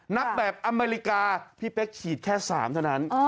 นับแบบอเมริกาพี่เป๊กฉีดแค่๓เท่านั้น